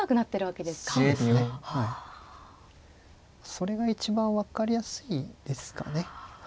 それが一番分かりやすいですかね。